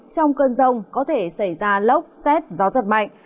trong cơn rông có thể xảy ra lốc xét gió giật mạnh